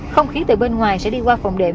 không khí từ bên ngoài sẽ đi qua phòng đệm